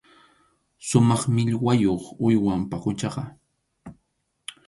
Sumaq millwayuq uywam paquchaqa.